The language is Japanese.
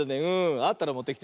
あったらもってきて。